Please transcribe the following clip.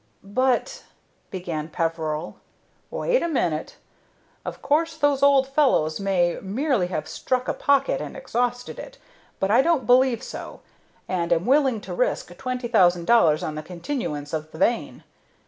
"But " began Peveril. "Wait a minute. Of course those old fellows may merely have struck a pocket and exhausted it, but I don't believe so, and am willing to risk twenty thousand dollars on the continuance of the vein.